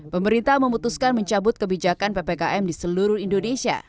pemerintah memutuskan mencabut kebijakan ppkm di seluruh indonesia